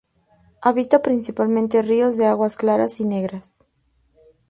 Habita principalmente ríos de aguas claras y negras.